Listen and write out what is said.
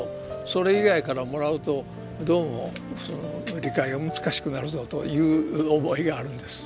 それ以外からもらうとどうもその理解が難しくなるぞという思いがあるんです。